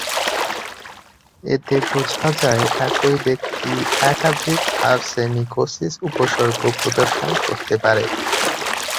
এতে বোঝা যায় একই ব্যক্তি একাধিক আর্সেনিকোসিস উপসর্গ প্রদর্শন করতে পারে।